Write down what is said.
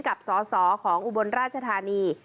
กับสสของอุบลราชธานี